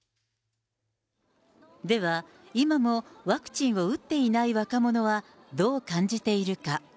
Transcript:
では、今もワクチンを打っていない若者はどう感じているか。